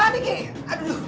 ada adik aduh